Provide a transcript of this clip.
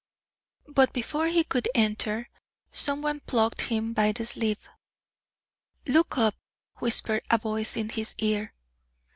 But before he could enter, some one plucked him by the sleeve. "Look up!" whispered a voice into his ear.